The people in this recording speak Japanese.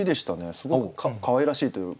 すごくかわいらしいというか。